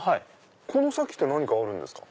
この先って何かあるんですか？